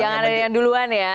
jangan ada yang duluan ya